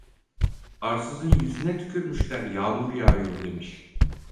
Arsızın yüzüne tükürmüşler, yağmur yağıyor demiş.